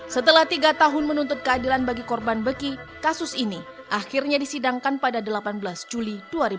setelah tiga tahun menuntut keadilan bagi korban beki kasus ini akhirnya disidangkan pada delapan belas juli dua ribu dua puluh